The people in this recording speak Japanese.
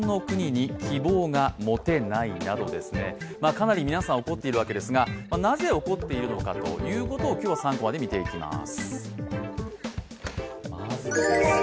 かなり皆さん怒っているわけですがなぜ怒っているのかということを今日は３コマで見ていきます。